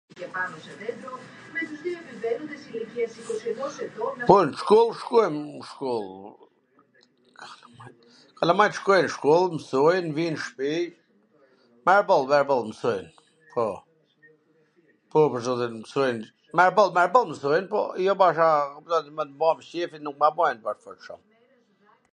Po, n shkoll shkojn n shkoll, kalamajt shkojn n shkoll, msojn, vijn n shpi, mirboll, mirboll mwsojn, po, po pwr zotin mwsojn, mirboll, mirboll msojn, por jo me m ba qefin, nuk ma bajn.